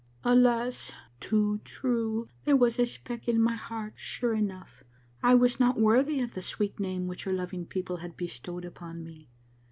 Alas, too true ! there was the speck in my heart sure enough. I was not worthy of the sweet name which her loving people had bestowed upon me.